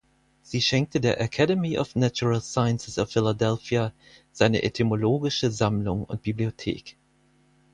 Sie schenkte der Academy of Natural Sciences of Philadelphia seine entomologische Sammlung und Bibliothek.